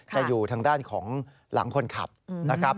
อยู่ทางด้านของหลังคนขับนะครับ